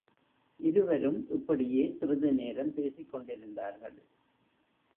இருவரும் இப்படியே சிறிது நேரம் பேசிக்கொண்டிருந்தார்கள்.